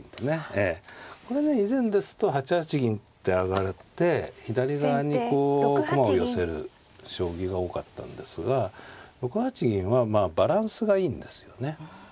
これね以前ですと８八銀って上がって左側にこう駒を寄せる将棋が多かったんですが６八銀はまあバランスがいいんですよね。